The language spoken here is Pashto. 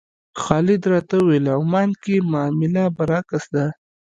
خالد راته وویل عمان کې معامله برعکس ده.